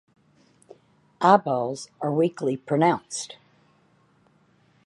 Eyeballs are weakly pronounced.